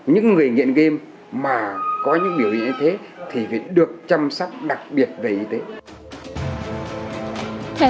những người nghiện game mà có những biểu hiện như thế thì phải được chăm sóc đặc biệt về y tế